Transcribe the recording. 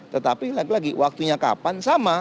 tetapi lagi lagi waktunya kapan sama